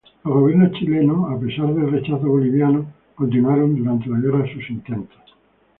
Los gobiernos chilenos, a pesar del rechazo boliviano, continuaron durante la guerra sus intentos.